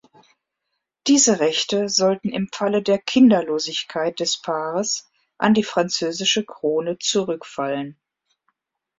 Diese Rechte sollten im Falle der Kinderlosigkeit des Paares an die französische Krone zurückfallen.